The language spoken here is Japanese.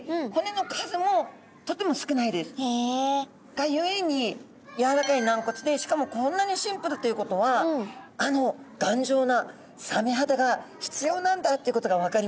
が故にやわらかい軟骨でしかもこんなにシンプルということはあの頑丈なサメ肌が必要なんだっていうことが分かりますね。